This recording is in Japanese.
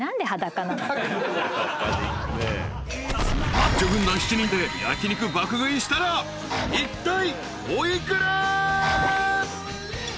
［マッチョ軍団７人で焼き肉爆食いしたらいったいお幾ら？］